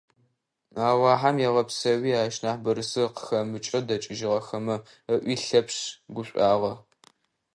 «Алахьэм егъэпсэуи ащ нахь бырысыр къыхэмыкӀэу дэкӀыжьыгъэхэмэ», - ыӀуи Лъэпшъ гушӀуагъэ.